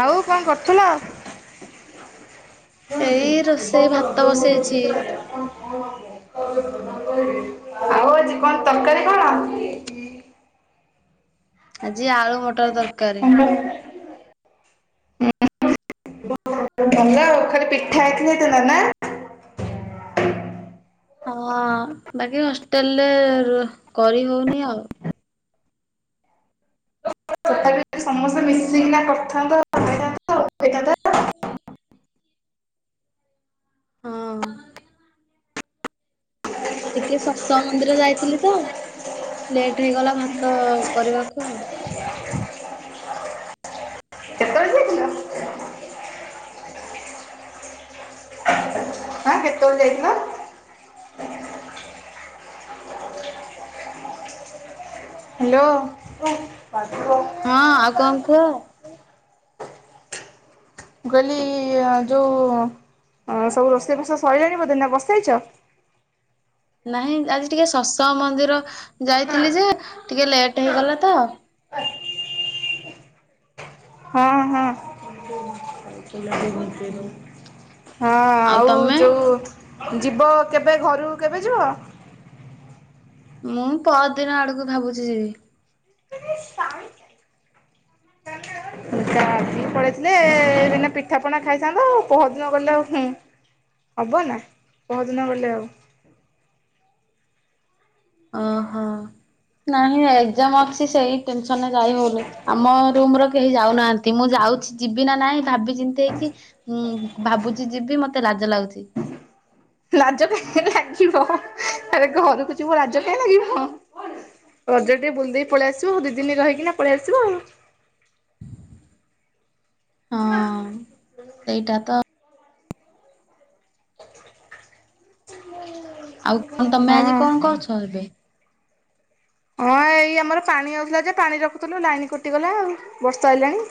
ଆଉ କଣ କରୁଥିଲ? ଏଇ ହଁ ଏ ରୋଷେଇ ବର୍ଷ ଭାତ ବସେଇଛି ଆଉ ଆଜି କଣ ତରକାରୀ କଣ? ଆଜି ଆଳୁ ମଟର ତରକାରୀ। ଭଲ କାଲି ପିଠା ଆଇଥିଲା ଥିଲା ନା ହଁ ବାକି ହଷ୍ଟେଲରେ ରୋ କରି ହଉନି ଆଉ। ତଥାପି ସମସ୍ତେ ମିଶିକିନା କରିଥାନ୍ତ ନେଇଥାନ୍ତ [unintelligible] ହଁ। ଟିକେ ସତସଂ ମନ୍ଦିର ଯାଇଥିଲି ତ ଲେଟ ହେଇଗଲା ଭାତ କରିବାକୁ ଆଉ। ଯାଇଥିଲ? କେତେବେଳେ ଯାଇଥିଲ? ହ୍ୟାଲୋ। ହଁ ଆଉ କଣ କୁହ? ମୁଁ କହିଲି ଯୋଉ ସବୁ ରୋଷେଇ ବାସ ସରିିଲାଣି ବଧେ ନା ବସେଇଛ? ନାହିଁ ଆଜି ଟିକେ ସତସଙ୍ଗ ମନ୍ଦିର ଯାଇଥିଲି ଯେ ଟିକେ ଲେଟ୍ ହେଇଗଲା ତ। ହଁ ହଁ [unintelligible] ହଁ ଆଉ ଯୋଉ ଯିବ କେବେ ଘରକୁ କେବେ ଯିବ? ମୁଁ ପର ଦିନ ଆଡକୁ ଭାବୁଛି ଯିବି। କା ଆଜି ପଳେଇଥିଲେ ବିନା ପିଠା ପଣା ଖାଇଥାନ୍ତ ଆଉ ପହର ଦିନ ଗଲେ ଆଉ ହୁଁ ହବ ନା ପହର ଦିନ ଗଲେ ଆଉ ଅ ହଁ ନାଇଁ ଏଗଜାମ ଅସି ସେଇ ଟେନ ସନରେ ଯାଇ ହୋଉନି ଆମ ରୁମ ର କେହି ଯାଉନାହାନ୍ତି ମୁଁ ଯାଉଛି ଯିବି ନା ନାଇଁ ଭାବି ଚିନ୍ତି ହେଇକି ଭାବୁଛି ଯିବି ମତେ ଲାଜ ଲାଗୁଛି। ଲାଜ କାହିଁକି ଲାଗିବ ଆରେ ଘରକୁ ଯିବ ଲାଜ କାହିଁକି ଲାଗିବ ରଜ ଟିକେ ବୁଲି ଦେଇକି ପଳେଇ ଆସିବ ଦି ଦିନ ରହିକି ନା ପଳେଇ ଆସିବ ଆଉ। ହଁ ସେଇଟା ତ [unintelligible] ହୁଁ। ଆଉ ଆଉ ତମେ ଆଜି କଣ କରୁଛ ଏବେ? ହଁ ଏଇ ଆମର ପାଣି ଆଉଥିଲା ଯେ ପାଣି ରଖୁଥିଲୁ ଲାଇନ କଟିଗଲା ଆଉ ବର୍ଷା ଆଇଲାଣି।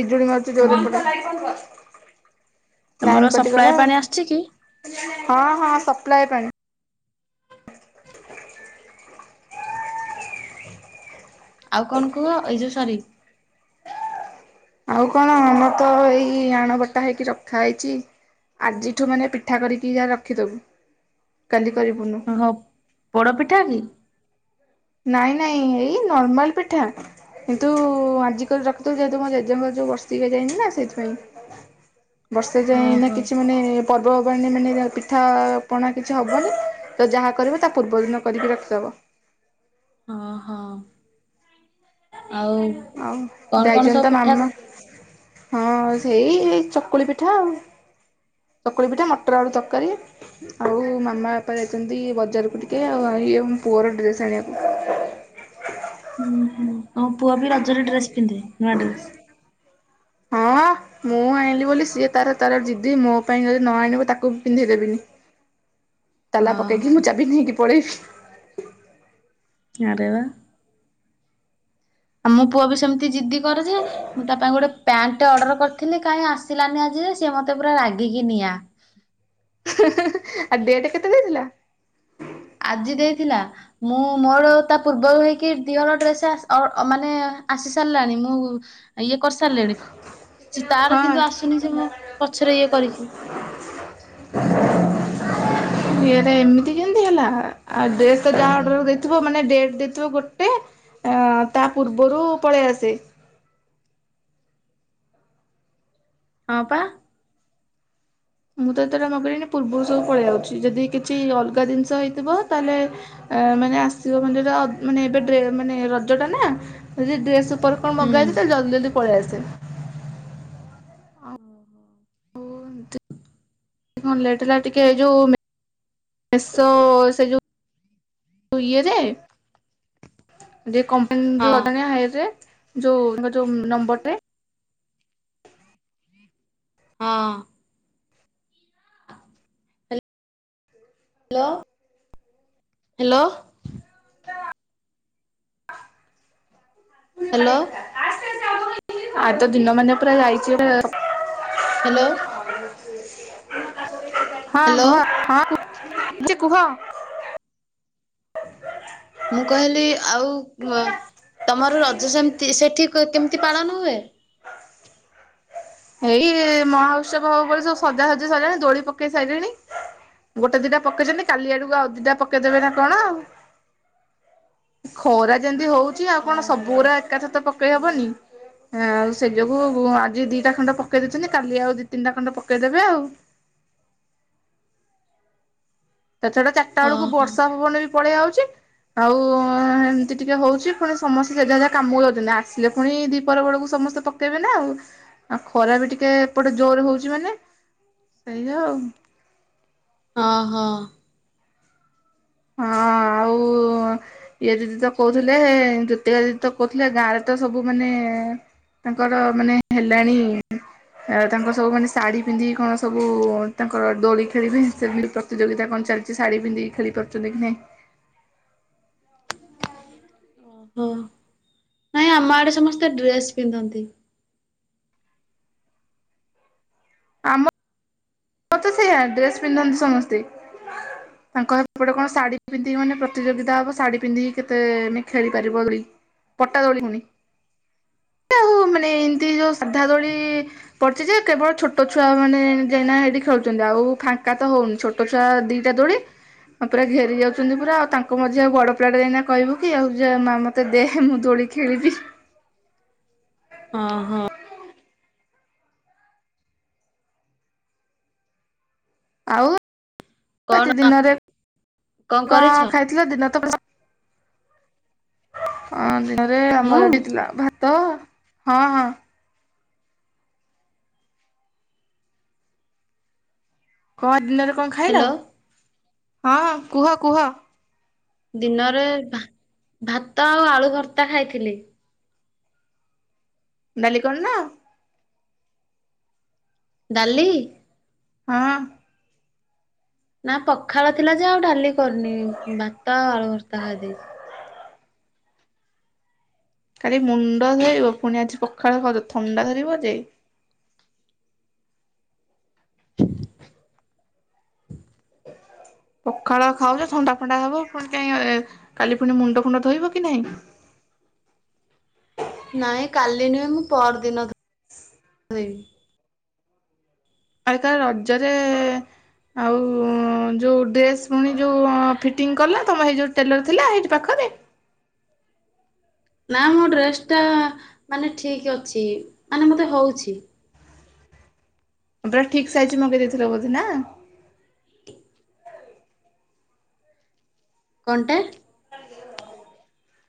ବିଜୁଳି ମାରୁଛି ଜୋରେ ହଁ ଏପଟେ। ତମର ଲାଇନ ସପ୍ଲାଏ କଟିଗଲା ପାଣି ଆସୁଛି କି? ହଁ ହଁ ସପ୍ଲାଏ ପାଣି। ଆଉ କଣ କୁହ ଏଇ ଯୋଉ ସରି। ଆଉ କଣ ଆମର ତ ଏଇ ଆଣ ବଟା ହେଇକି ରଖା ହେଇଛି ଆଜିଠୁ ମାନେ ପିଠା କରିକି ଯା ରଖିଦବୁ କାଲି କରିବୁନୁ। ଓଃ ପୋଡ ପିଠା କି? ନାଇଁ ନାଇଁ ଏଇ ନର୍ମାଲ ପିଠା କିନ୍ତୁ ଆଜିିକରି ରଖିଦବୁ ଯେହେତୁ ମୋ ଜେଜେଙ୍କର ଯୋଉ ବର୍ଷିକିଆ ଯାଇନି ନା ସେଇଥିପାଇଁ। ବର୍ଷେ ଯାଇ ନା ଓହୋ କିଛି ମାନେ ଏପ ପର୍ବପର୍ବାଣୀରେ ମାନେ ପିଠା ପଣା କିଛି ହବନି ତ ଯାହା କରିବ ତା ପୂର୍ବ ଦିନ କରିକି ରଖିଦବ। ଅ ହ। କଣ ଆଉ କଣ ଯାଇଛନ୍ତି ସବୁ ତ ପିଠା ହୁଁ ମାମୁଁ। ହଁ ସେଇ ଚକୁଳି ପିଠା ଆଉ ଚକୁଳି ପିଠା ମଟର ଆଳୁ ତରକାରୀ ଆଉ ମାମା ବାପା ଯାଇଛନ୍ତି ବଜାରକୁ ଟିକେ ଆଉ ଇଏ ଆମ ପୁଅର ଡ୍ରେସ୍ ଆଣିବାକୁ। ହୁଁ ତମ ପୁଅ ବି ରଜରେ ଡ୍ରେସ ପିନ୍ଧେ ନୂଆ ଡ୍ରେସ? ହଁ ମୁଁ ଆଇଁଲି ବୋଲି ସିଏ ତାର ତାର ଜିଦି ମୋ ପାଇଁ ଯଦି ନ ଆଣିବ ତାକୁ ବି ପିନ୍ଧେଇଦେବିନି। ତାଲା ପକେଇକି ଓହୋ ମୁଁ ଚାବି ନେଇକି ପ ପଳେଇବି। ଆରେ ବା। ଆମ ପୁଅ ବି ସେମିତି ଜିଦି କରେ ଯେ ମୁଁ ତା ପାଇଁ ଗୋଟେ ପ୍ୟାଣ୍ଟ ଅର୍ଡର କରିଥିଲି କାଇଁ ଆସିଲାନି ଆଜି ଯାଏ ସିଏ ମତେ ପୁରା ରାଗିକି ନିଆଁ। ଆଉ ଡେଟ କେତେ ଦେଇଥିଲା? ଆଜି ଦେଇଥିଲା ମୁଁ ମୋର ତା ପୂର୍ବରୁ ହେଇକି ଦି ହଳ ଡ୍ରେସ ଆସି ଅ ମାନେ ଆସି ସାରିଲାଣି ମୁଁ ଇଏ କରିସାରିଲିଣି ଚି ତାର ହଁ କିନ୍ତୁ ଆସୁନି ସେ ମୋ ପଛରେ ଇଏ କରିକି ଇଟା ଏମିତି କେମତି ହେଲା ଡେଟ ତ ଯାହା ଅଡର ଦେଇଥିବ ମାନେ ଡେଟ ଦେଇଥିବ ଗୋଟେ ତା ପୂର୍ବରୁ ପଳେଇ ଆସେ ହଁ ପା। ମୁଁ ତ ଏତେଟା ମଗେଇଲିଣି ପୂର୍ବରୁ ସବୁ ପଳେଇ ଯାଉଛି ଯଦି କିଛି ଅଲଗା ଜିନିଷ ହେଇଥିବ ତାହେଲେ ମାନେ ଆସିବ ମାନେଟ ମାନେ ଏବେ ମାନେ ରଜ ଟା ନା ଯଦି ଡ୍ରେସ୍ ଉପର କଣ ହୁଁ ମଗାଇଚି ତ ଜଲଦି ଜଲଦି ପଲେଇଆସେ। ହଉନ୍ତୁ। ଲେଟ୍ ହେଲା ଟିକେ ଯଉ ମେସୋ ସେ ଯଉ ଇଏରେ ଟିକେ କମ ଅନ ଯୋଉ ହଁ ଅଦାଣିଆ ହାଇର ରେ ଯୋଉ ତାଙ୍କର ଯୋଉ ନମ୍ବରଟେ ହଁ। Hello hello. ହ୍ୟାଲୋ। ଆ ତ ଦିନ ମାନ ପୁରା ଯାଇଚି ଅ ହ୍ୟାଲୋ। [inaudible] ହଁ ଭୁହ ହ୍ୟାଲୋ ହଁଉ। ଛି କୁହ। ମୁଁ କହିଲି ଆଉ ତମର ରଜ ସେମିତି ସେଠିକି କେମିତି ପାଳନ ହୁଏ। ଏଇ ମହା ଉତ୍ସବ ହବ ବୋଲି ସବୁ ସଜା ସଜା ସାରିଲାଣି ଦୋଳି ପକେଇ ସାରିଲେଣି ଗୋଟେ ଦିଟା ପକେଇଛନ୍ତି କାଲି ଆଡକୁ ଆଉ ଦିଟା ପକେଇଦବେ ନା କଣ ଆଉ। ଖରା ଯେମିତି ହଉ ଆଉ କଣ ସବୁ ଓହୋ ଗୁରା ଏକାଥ ହବନି ଆଉ ସେ ଯୋଗୁ ଆଜି ଦି ଦୁଟା ଖଣ୍ଡ ପକେଇ ଦେଇଉଛନ୍ତି କାଲି ଆଉ ଦି ତିନିଟା ଖଣ୍ଡ ପକେଇଦେବେ ଆଉ। ସେତଟା ଚାରଟା ବେଳକୁ ଓହୋ ବର୍ଷା ପବନ ବି ପଳେଇ ଆଉଛି। ଆଉ ଏମିତି ଟିକେ ହଉଛି ପୁଣି ସମସ୍ତେ ସେ ଯେଝା ଯେଝା କାମକୁ ଯାଉଛନ୍ତି ।ଆସିଲେ ପୁଣି ଦି ପହର ବେଳକୁ ସମସ୍ତେ ପକେଇବେ ନା ଆଉ ଆଉ ଖରା ବି ଟିକେ ଏପଟେ ଜୋର ହଉଛି ମାନେ ସେଇଆ ଆଉ। ହ ହୋ। ହଁ ଆଉ ଇଏ ଦିଦି ତ କହୁଥିଲେ ଜୋତିକା ଦିଦି ତ କହୁଥିଲେ ଗାଁ ରେ ତ ସବୁ ମାନେ ତାଙ୍କର ମାନେ ହେଲାଣି ତାଙ୍କର ସବୁ ମାନେ ଶାଢୀ ପିନ୍ଧିକି କଣ ସବୁ ତାଙ୍କର ଦୋଳି ଖେଳିବେ। ସେମିତି ପ୍ରତିଯୋଗିତା କଣ ଚାଲିଛି ଶାଢୀ ପିନ୍ଧିକି ଖେଳି [inaudible] ଓହୋ ନାଇଁ ଆମ ଆଡେ ସମସ୍ତେ ଡ୍ରେସ ପିନ୍ଧନ୍ତି। ଆମ ମତେ ସେ ଡ୍ରେସ ପିନ୍ଧନ୍ତି ସମସ୍ତେ । ତାଙ୍କ ସେପଟେ କଣ ଶାଢୀ ପିନ୍ଧିକି ମାନେ ପ୍ରତିଯୋଗିତା ହବ ଶାଢୀ ପିନ୍ଧିକି କେତେ ଖେଳି ପାରିବ ଦୋଳି ପଟା ଦୋଳି ପୁଣି ।ଆଉ ମାନେ ଏମତି ଯୋଉ ସାଧା ଦୋଳି ପଡିଛି ଯେ କେବଳ ଛୋଟ ଛୁଆ ମାନେ ଯାଇ ଖେଳୁଛନ୍ତି ଆଉ ଫାଙ୍କା ତ ହଉନି ।ଛୋଟ ଛୁଆ ଦିଟା ଦୋଳି ଆଉ ପୁରା ଘେରି ଯାଉଛନ୍ତି ପୁରା ଆଉ ତାଙ୍କ ମଝୀରେ ଆଉ ବଡ ପିଲାଟା ଯାଇକିନା କହିବକି ଆଉ ମା ମତେ ଦେ ମୁଁ ଦୋଳି ଖେଳିବି। ଅ ହୋ। ଆଉ କଣ ଅଛି ଦିନରେ କଣ ଖାଇଥିଲ। ଦିନ ତ ଆ ମୁଁ ଆମରଏଠିଥିଲା ଭାତ ହଁ ହଁ। କଣ ଦିନରେ କଣ ଖାଇଲ? ହ୍ୟାଲୋ ହଁ ହଁ କୁହ କୁହ। ଦିନରେ ଭା ଭାତ ଆଉ ଆଳୁ ଭର୍ତ୍ତା ଖାଇଥିଲି। ଡାଲି କରିନ। ଡାଲି। ହଁ। ନା ପଖାଳ ଥିଲା ଯେ ଆଉ ଡାଲି କରିନି। ଭାତ ଆଉ ଆଳୁ ଭର୍ତା ଖାଇଦେଇଚି। କାଲି ମୁଣ୍ଡ ଧୋଇବ ପୁଣି ଆଜି ପଖାଳ ଖାଉଛ ଥଣ୍ଡା ଧରିବ ଯେ। ପଖାଳ ଖାଉଚ ଥଣ୍ଡା ପଣ୍ଡା ହବ ପୁଣି କାଇ କାଲି ପୁଣି ମୁଣ୍ଡ ଫୁଣ୍ଡ ଧୋଇବ କି ନାହିଁ। ନାଇଁ କାଲି ନୁହେଁ ମୁଁ ପରଦିନ ଧୋଇବି। ଆରେ ତାହାଲେ ରଜରେ ଆଉ ଯୋଉ ଡ୍ରେସ୍ ପୁଣି ଯୋଉ ଫିଟିଂ କଲା ତମ ହେଇ ଯୋଉ ଟେଲର ଥିଲା ହେଇଠି ପାଖରେ। ନା ମୋ ଡ୍ରେସ ଟା ମାନେ ଠିକ ଅଛି ।ମାନେ ମତେ ହଉଛି। ପୁରା ଠିକ ସାଇଜ ମଗେଇ ଦେଇଥିଲ ବୋଧେ ନା। କଣ୍ଟା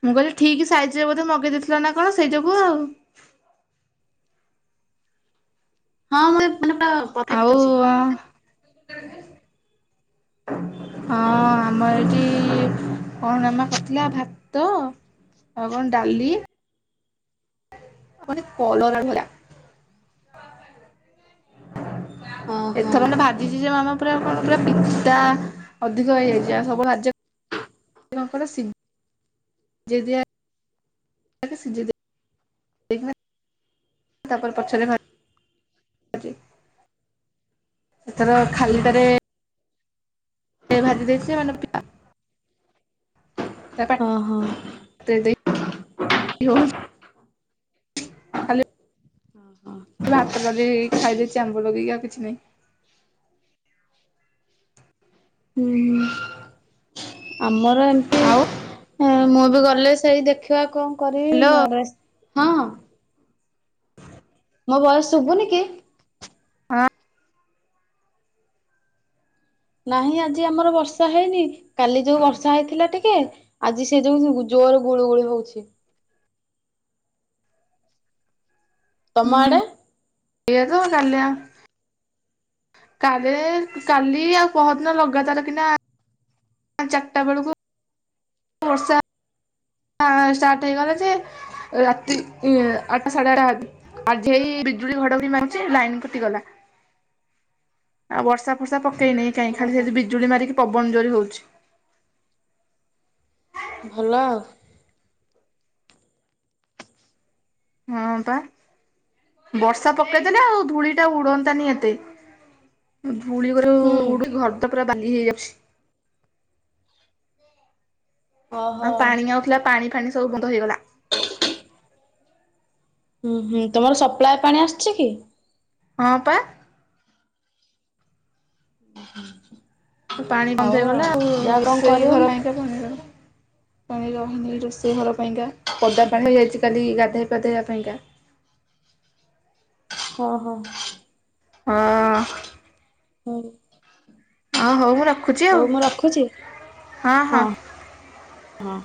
ମୁଁ କହିଲି ଠିକ ସାଇଜ ରେ ବୋଧେ ମଗେଇ ଦେଇଥିଲ ନା କଣ ସେଇ ଯୋଗୁ ଆଉ। ହଁ [inaudible] ମାନେ ପୁରା ପରଫେକ୍ଟ ଅଛି। ଆଉ [inaudible] ହଁ ଆମର ଏଠି କଣ ମାମା କରିଥିଲା ଭାତ ଆଉ କଣ ଡାଲି ମାନେ କଲରା [inaudible] ଓହୋ। ଏଥର ମାନେ ଭାଜିଚି ଯେ ମାମା ତାପରେ ଆଉ କଣ କହିଲ ପିତା ଅଧିକ ହେଇଯାଇଚି ଆଉ ସବୁ [unintelligible] ତାପରେ ପଛରେ ଭା ସେଥର ଖାଲିଟାରେ ଭାଜିି ଦେଇଥିଲି ମାନେ ପିିତା ହଁ ହଁ [inaudible] ଖାଲି ଭାତ ଡାଲି ଖାଇଦେଇଚି ଆମ୍ବ ଲଗେଇକି ଆଉ କିଛି ନାହିଁ। ହୁଁ ହୁଁ। ଆମର ଏମିତି ଆଉ ହେଁ। ମୁଁ ଏବେ ଗଲେ ସେଇ ଦେଖିବା କଣ? କରି ହ୍ୟାଲୋ ନୂଆ ଡ୍ରେସ୍ ହଁ ମୋ ଭଏସ ଶୁଭୁନି କି ଆ ନହିଁ ଆଜି ଆମର ବର୍ଷା ହେଇନି କାଲି ଯୋଉ ବର୍ଷା ହେଇଥିଲା ଟିକେ ଆଜି ସେ ଯୋଉ ଜୋରେ ଗୁଳୁ ଗୁଳିୁ ହଉଚି ତମ ହୁଁ ଆଡେ? ସେଇୟା ତ ଡାଲି ଆ କାରେ କାଲି ଆଉ ପହରଦିନ ଲଗାତାର କିନା ଚାରିଟା ବେଳକୁ ବର୍ଷା ଆ ଷ୍ଟାର୍ଟ ହେଇଗଲା ଯେ ରାତି ଆଠଟା ସାଢ଼େ ଆଠଟା ଆଜି ହେଇ ବିଜୁଳି ଘଡ଼ଘଡି ମାରୁଚି ଲାଇନ କଟିଗଲା। ଆଉ ବର୍ଷା ଫର୍ଷା ପ କେଇନି କାଇଁ ଖାଲି ଓହୋ ସେନ୍ତି ବିଜୁଳି ମାରିକି। ପବନ ଯୋରି ହେଉଛି। ଭଲ। ହଁ ପା ବର୍ଷା ପକେଇଦେଲେ ଆଉ ଧୂଳି ଟା ଉଡନ୍ତାନି ଏତେ ପୁଳ ହୁଁ କରିକ ଘର ତ। ପୁରା ବାଧି ହେଇଯାଉଛି। ଆ ଓହୋ। ପାଣି ଆଉଥିଲା ପାଣି ଫାଣି। ସବୁ ବନ୍ଦ ହୋଇଗଲା। ହୁଁ ହୁଁ ତମର ସପ୍ଲାଏ ପାଣି ଆସିଛି କି। ହଁ ପା। ହ। ପାଣି ବନ୍ଦ ହେଇଗଲା ଆଉ ରୋଷେଇ କରିବ ଘର ହେ ପେଇଗଲା। ପାଣି ରହିନି ରୋଷେଇ ଘର ପାଇଁକା ପଦା କଣ୍ଡ ହେଚ କଲି ଦେପଦବା ପାଇଁକା ହ ହୋ ହଁ ହଁ ହଁ ହଉ ମୁଁ ରଖୁଛି ଆଉ ରଖୁଛି ହଁ ହଁ ହଁ